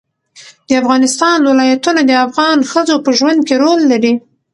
د افغانستان ولايتونه د افغان ښځو په ژوند کې رول لري.